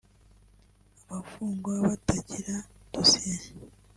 abafungwa batagira dosiye